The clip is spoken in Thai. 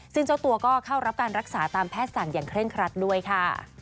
ซึ่งเจ้าตัวก็เข้ารับการรักษาตามแพทย์สั่งอย่างเคร่งครัดด้วยค่ะ